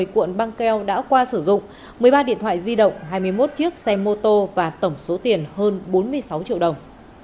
một mươi cuộn băng keo đã qua sử dụng một mươi ba điện thoại di động hai mươi một chiếc xe mô tô và tổng số tiền hơn bốn mươi sáu triệu đồng